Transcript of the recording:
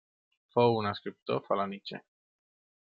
Fou un escriptor felanitxer.